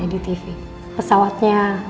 si buruk rupa